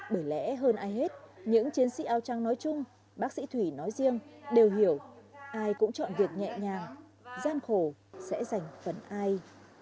bởi lẽ hơn ai hết những chiến sĩ áo trắng nói chung bác sĩ thủy nói riêng đều hiểu ai cũng chọn việc nhẹ nhàng gian khổ sẽ dành phần ai